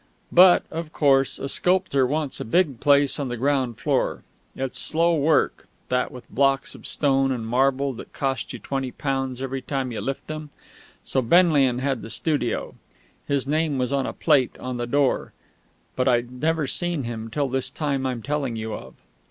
But, of course, a sculptor wants a big place on the ground floor; it's slow work, that with blocks of stone and marble that cost you twenty pounds every time you lift them; so Benlian had the studio. His name was on a plate on the door, but I'd never seen him till this time I'm telling you of.